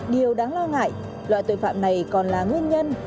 điều đáng lo ngại loại tội phạm này còn là nguyên nhân